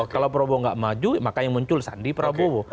kalau prabowo gak maju makanya muncul sandi prabowo